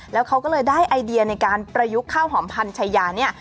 แล้วเขาก็เลยได้ไอเดียในการประยุกต์ข้าวหอมพันชายาเนี่ย